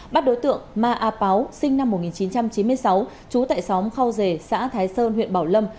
bắt đối tượng ma a páo sinh năm một nghìn chín trăm chín mươi sáu trú tại xóm khâu dề xã thái sơn huyện bảo lâm